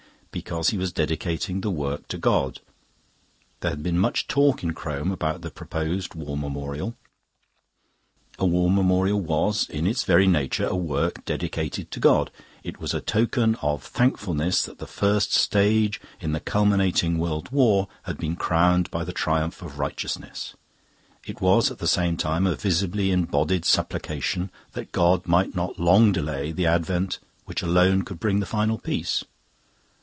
Because he was dedicating the work to God. There had been much talk in Crome about the proposed War Memorial. A War Memorial was, in its very nature, a work dedicated to God. It was a token of thankfulness that the first stage in the culminating world war had been crowned by the triumph of righteousness; it was at the same time a visibly embodied supplication that God might not long delay the Advent which alone could bring the final peace.